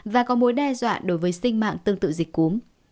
và có mối đe dọa đối với sinh mạng tương tự dịch cúm